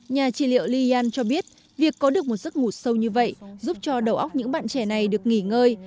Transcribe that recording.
nhà trị liệu lian cho biết việc có được một giấc ngủ sâu như vậy giúp cho đầu óc những bạn trẻ này được nghỉ ngơi